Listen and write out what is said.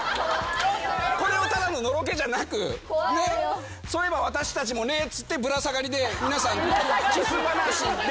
これをただのノロケじゃなくそういえば私たちもねっつってぶら下がりで皆さんキス話できますか？